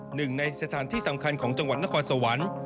หนึ่งในสถานที่สำคัญของจังหวัดนครสวรรค์